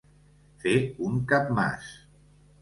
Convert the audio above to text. Fer un capmàs.